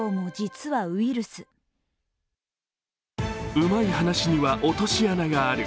うまい話には落とし穴がある。